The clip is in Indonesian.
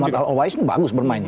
muhammad al awais ini bagus bermain